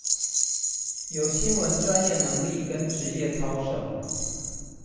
有新聞專業能力跟職業操守